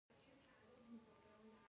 د بدخشان لارې پاخه شوي؟